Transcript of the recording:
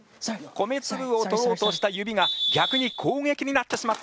米つぶを取ろうとした指が逆に攻撃になってしまった。